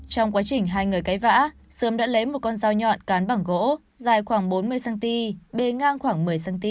trong quá trình hai người cấy vã sươm đã lấy một con dao nhọn cán bảng gỗ dài khoảng bốn mươi cm bê ngang khoảng một mươi cm